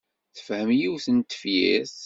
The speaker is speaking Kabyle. Tefhem yiwet n tefyirt.